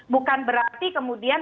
bukan berarti kemudian